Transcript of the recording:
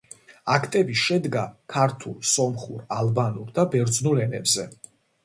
აქტები შედგა ქართულ, სომხურ, ალბანურ და ბერძნულ ენებზე.